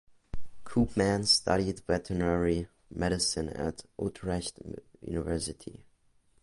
Koopmans studied veterinary medicine at Utrecht University.